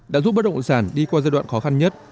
đã giúp bất động sản đi qua giai đoạn khó khăn nhất